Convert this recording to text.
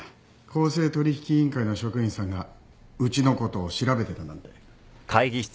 公正取引委員会の職員さんがうちのことを調べてたなんて。